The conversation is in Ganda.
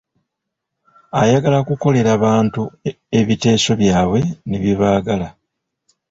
Ayagala kukolera bantu, ebiteeso byabwe ne bye baagala.